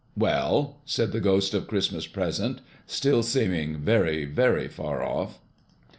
"Well?" said the Ghost of Christmas Present, still seeming very, very far off.